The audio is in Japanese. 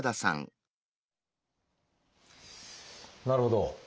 なるほど。